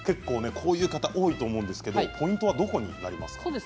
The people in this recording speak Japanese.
こういう方多いと思うんですがポイントはどこにありますか？